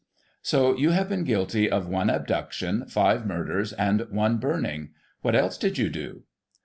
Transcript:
So you have been guilty of one abduction, five murders, and one burning ; what else did you do